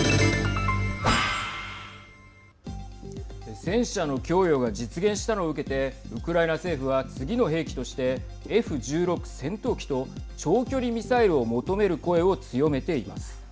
戦車の供与が実現したのを受けてウクライナ政府は次の兵器としてＦ１６戦闘機と長距離ミサイルを求める声を強めています。